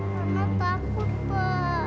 mama takut pak